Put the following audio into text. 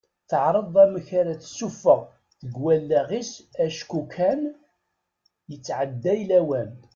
Teɛreḍ amek ara tessuffeɣ deg wallaɣ-is acku akken kan yettɛedday lawan.